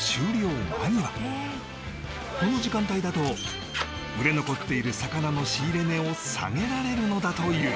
この時間帯だと売れ残っている魚の仕入れ値を下げられるのだという